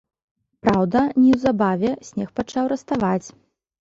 Праўда, неўзабаве снег пачаў раставаць.